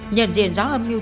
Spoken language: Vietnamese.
nhận diện gió âm mưu tươi